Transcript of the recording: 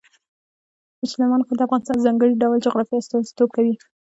سلیمان غر د افغانستان د ځانګړي ډول جغرافیه استازیتوب کوي.